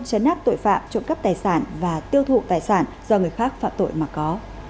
chấn áp tội phạm trộm cắp tài sản và tiêu thụ tài sản do người khác phạm tội mà có